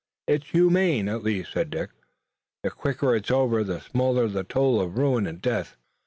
"It's humane, at least," said Dick. "The quicker it's over the smaller the toll of ruin and death."